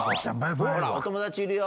お友達いるよ。